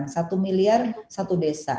satu miliar satu desa